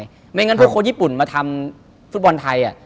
ไม่อย่างงั้นคนญี่ปุ่นมาทำฟุตบอลไทย